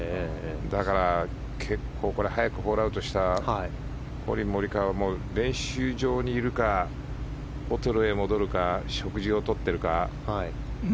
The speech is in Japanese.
だから結構、早くホールアウトしたコリン・モリカワも練習場にいるかホテルへ戻るか食事をとってるか。